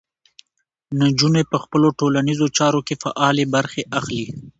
نجونې په خپلو ټولنیزو چارو کې فعالې برخې اخلي.